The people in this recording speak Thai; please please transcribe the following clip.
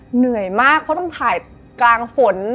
เหนื่อยมากเพราะต้องถ่ายกลางฝน